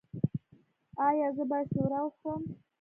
ایا زه باید شوروا وخورم؟